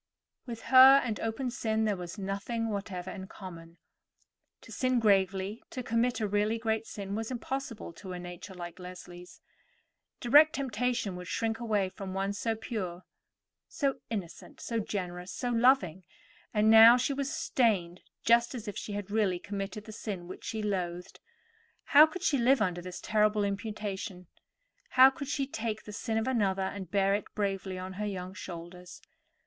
With her and open sin there was nothing whatever in common. To sin gravely, to commit a really great sin, was impossible to a nature like Leslie's. Direct temptation would shrink away from one so pure, so innocent, so generous, so loving; and now she was stained just as if she had really committed the sin which she loathed. How could she live under this terrible imputation? How could she take the sin of another and bear it bravely on her young shoulders?